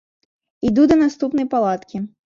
Іду да наступнай палаткі.